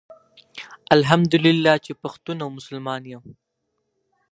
الحمدالله چي پښتون او مسلمان يم